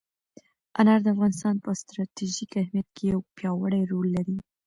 انار د افغانستان په ستراتیژیک اهمیت کې یو پیاوړی رول لري.